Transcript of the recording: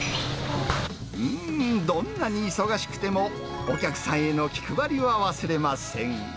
うーん、どんなに忙しくても、お客さんへの気配りは忘れません。